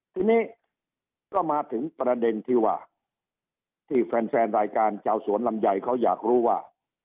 ทีนี้ก็มาถึงประเด็นที่ว่าที่แฟนแฟนรายการชาวสวนลำไยเขาอยากรู้ว่า